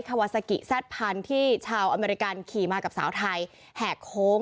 คาวาซากิแซ่ดพันธุ์ที่ชาวอเมริกันขี่มากับสาวไทยแหกโค้ง